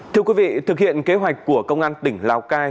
thưa quý vị thực hiện kế hoạch của công an tỉnh lào cai